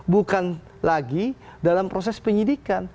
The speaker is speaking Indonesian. bukan lagi dalam proses penyidikan